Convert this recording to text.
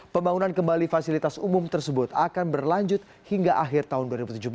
pembangunan kembali fasilitas umum tersebut akan berlanjut hingga akhir tahun dua ribu tujuh belas